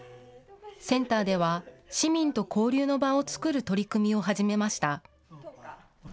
センターでは市民と交流の場を作る取り組みを始めました。